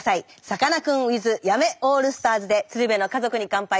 さかなクンｗｉｔｈ八女オールスターズで「鶴瓶の家族に乾杯」